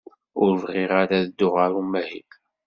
Ur bɣiɣ ara ad dduɣ ɣer umahil.